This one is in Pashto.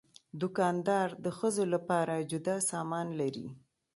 دوکاندار د ښځو لپاره جدا سامان لري.